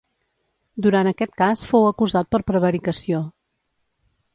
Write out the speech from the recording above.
Durant aquest cas fou acusat per prevaricació.